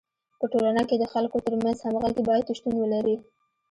په ټولنه کي د خلکو ترمنځ همږغي باید شتون ولري.